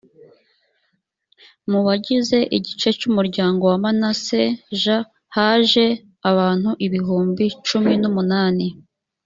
mu bagize igice cy umuryango wa manase j haje abantu ibihumbi cumi n umunani